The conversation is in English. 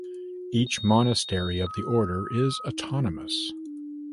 Each monastery of the order is autonomous.